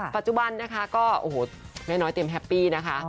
ปัจจุบันนะคะก็โอ้โหแม่น้อยเตรียมแฮปปี้นะคะ